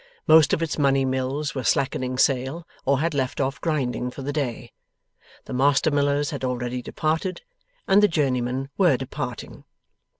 Most of its money mills were slackening sail, or had left off grinding for the day. The master millers had already departed, and the journeymen were departing.